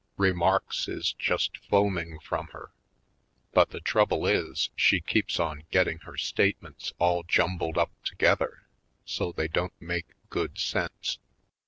Remarks is just foaming from her; but the trouble is she keeps on getting her statements all jumbled up together so they don't make good sense.